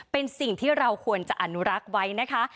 เป็นสิ่งที่เราควรจะอนุรักษ์ไว้นะคะ